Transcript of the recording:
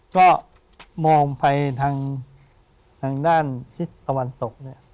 ก็มองไปทางด้านทิศตวรรษตก